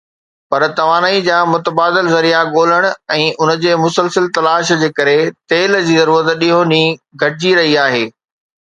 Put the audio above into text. پر توانائيءَ جا متبادل ذريعا ڳولڻ ۽ ان جي مسلسل تلاش جي ڪري تيل جي ضرورت ڏينهون ڏينهن گهٽجي رهي آهي.